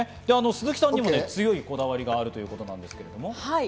鈴木さんにも強いこだわりがあるということなんですけれども。